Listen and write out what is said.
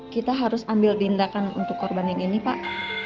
kita harus ambil tindakan untuk korban yang ini pak